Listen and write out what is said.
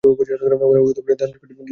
ওরা ধানুষকুডি দিয়ে যাত্রা করছে।